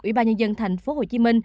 ủy ban nhân dân tp hcm